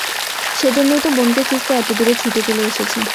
সেজন্যেই তো বোনকে খুঁজতে এত দূরে ছুটে চলে এসেছি।